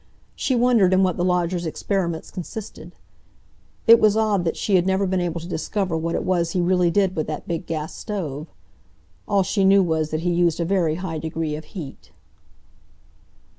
She wondered in what the lodger's experiments consisted. It was odd that she had never been able to discover what it was he really did with that big gas stove. All she knew was that he used a very high degree of heat.